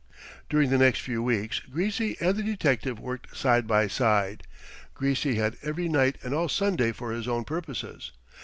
During the next few weeks Greasy and the detective worked side by side. Greasy had every night and all Sunday for his own purposes.